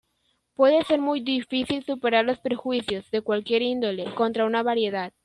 Puede ser muy difícil superar los perjuicios, de cualquier índole, contra una variedad.